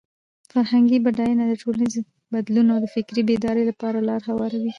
فرهنګي بډاینه د ټولنیز بدلون او د فکري بیدارۍ لپاره لاره هواروي.